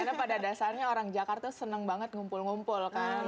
karena pada dasarnya orang jakarta senang banget ngumpul ngumpul kan